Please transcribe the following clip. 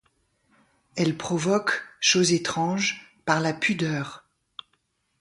Elle provoque, chose étrange, par la pudeur.